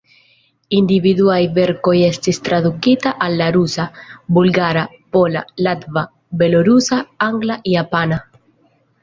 Individuaj verkoj estis tradukitaj al la rusa, bulgara, pola, latva, belorusa, angla, japana.